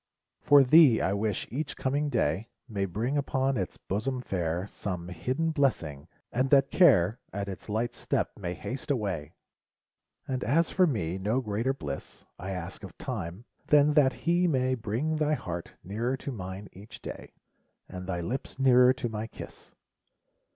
For thee I wish each coming day May bring upon its bosom fair Some hidden blessing, and that Care At its light step may haste away ! And as for me^ no greater bliss I ask of Time, than that he may Bring thy heart nearer mine each day, And thy lips nearer to my kiss